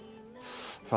さあ